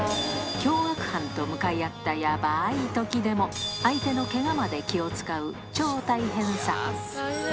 凶悪犯と向かい合ったやばいときでも、相手のけがまで気を遣う、超大変さ。